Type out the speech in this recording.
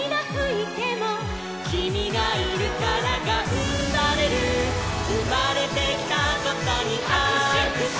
「キミがいるからがんばれる」「うまれてきたことにはくしゅ」「」